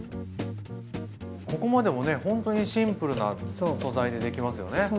ここまでもねほんとにシンプルな素材でできますよね。